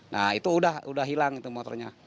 nah itu sudah hilang motornya